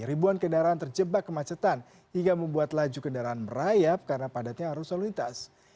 ribuan kendaraan terjebak ke macetan hingga membuat laju kendaraan merayap karena padatnya arus solunitas